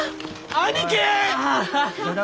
兄貴！